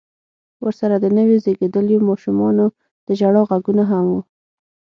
ورسره د نويو زيږېدليو ماشومانو د ژړا غږونه هم و.